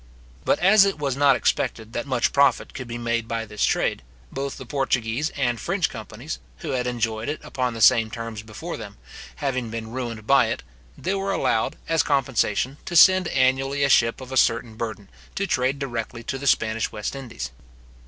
But as it was not expected that much profit could be made by this trade, both the Portuguese and French companies, who had enjoyed it upon the same terms before them, having been ruined by it, they were allowed, as compensation, to send annually a ship of a certain burden, to trade directly to the Spanish West Indies.